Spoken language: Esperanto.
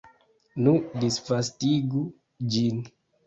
Nu, disvastigu ĝin!